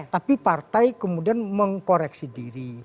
tapi partai kemudian mengkoreksi diri